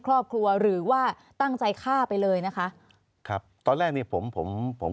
ครอบครัวหรือว่าตั้งใจฆ่าไปเลยนะคะครับตอนแรกนี่ผมผม